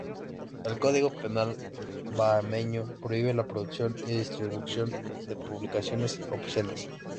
El código penal bahameño prohíbe la producción y distribución de publicaciones obscenas.